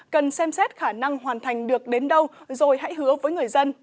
cần xem xét khả năng hoàn thành được đến đâu rồi hãy hứa với người dân